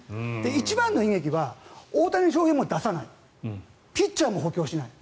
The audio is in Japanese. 一番の悲劇は大谷翔平も出さないピッチャーも補強しない。